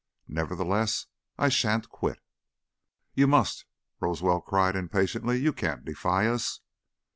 Nevertheless, I sha'n't quit." "You must!" Roswell cried, impatiently. "You can't defy us."